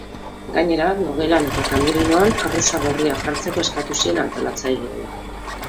Gainera, logelan eta kamerinoan arrosa gorriak jartzeko eskatu zien antolatzaileei.